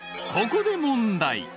［ここで問題］